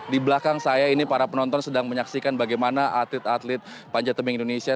di belakang saya ini para penonton sedang menyaksikan bagaimana atlet atlet panjat tebing indonesia